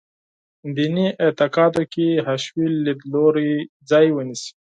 دیني اعتقاداتو کې حشوي لیدلوری ځای ونیسي.